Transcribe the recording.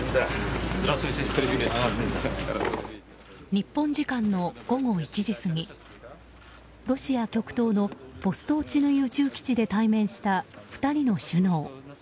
日本時間の午後１時過ぎロシア極東のボストーチヌイ宇宙基地で対面した２人の首脳。